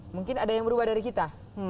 mungkin ada yang berubah dari kita